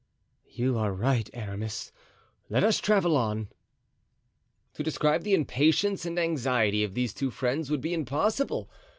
"You are right, Aramis, let us travel on." To describe the impatience and anxiety of these two friends would be impossible.